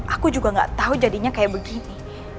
aku juga gak tahu jadinya kayak begini